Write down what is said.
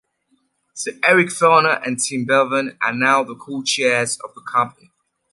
Eric Fellner and Tim Bevan are now the co-chairs of the company.